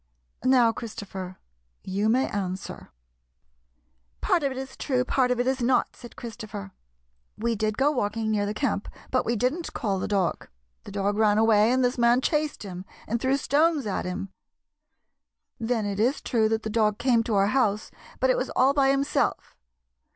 " Now, Christopher, you may answer." " Part of it is true, part of it is not," said Christopher. " We did go walking near their camp, but we did n't call the dog. The dog ran away, and this man chased him, and threw stones at him. Then it is true that the dog came to our house, but it was all by himself.